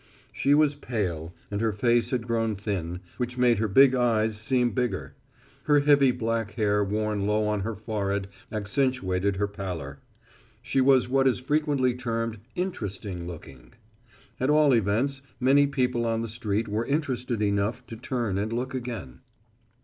She was pale, and her face had grown thin, which made her big eyes seem bigger. Her heavy black hair worn low on her forehead accentuated her pallor. She was what is frequently termed "interesting looking." At all events many people on the street were interested enough to turn and look again.